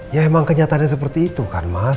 ya emang kenyataannya seperti itu kan mas